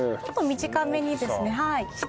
ちょっと短めにですねはい。